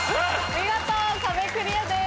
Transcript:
見事壁クリアです。